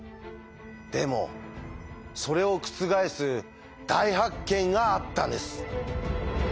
でもそれを覆す大発見があったんです。